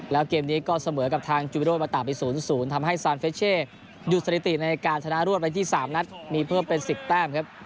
แล้วเกมนี้ก็เสมอกับทางจูวิโรมาตามไป๐๐ทำให้ซานเฟชเช่หยุดสถิติในการชนะรวดไปที่๓นัดมีเพิ่มเป็น๑๐แต้มครับ